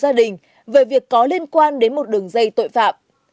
đó là sự xuất hiện của một gia đình về việc có liên quan đến một đường dây tội phạm